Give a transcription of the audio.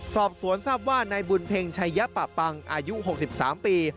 สอบสวนทราบว่านายบุญเพ็งชัยปะปังอายุ๖๓ปี